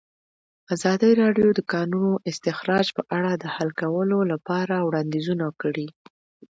ازادي راډیو د د کانونو استخراج په اړه د حل کولو لپاره وړاندیزونه کړي.